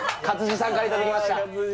勝地さんからいただきました